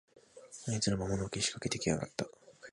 あいつら、魔物をけしかけてきやがった